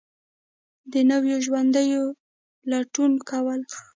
د نویو ژوندونو لټون کول